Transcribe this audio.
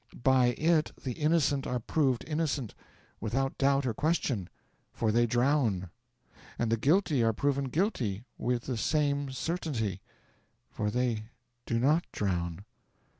By it the innocent are proved innocent, without doubt or question, for they drown; and the guilty are proven guilty with the same certainty, for they do not drown.